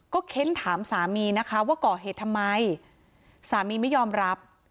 เค้นถามสามีนะคะว่าก่อเหตุทำไมสามีไม่ยอมรับ